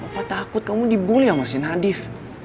wah takut kamu dibully sama si nadif